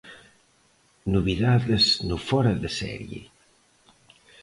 Novidades no Fóra de Serie.